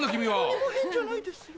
何も変じゃないですよ。